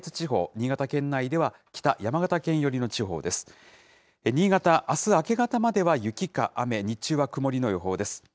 新潟、あす明け方までは雪か雨、日中は曇りの予報です。